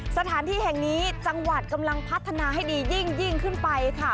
สถานที่แห่งนี้จังหวัดกำลังพัฒนาให้ดียิ่งขึ้นไปค่ะ